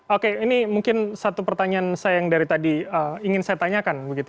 oke ini mungkin satu pertanyaan saya yang dari tadi ingin saya tanyakan